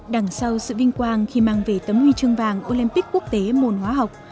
đằng sau sự vinh quang khi mang về tấm huy chương vàng olympic quốc tế môn hóa học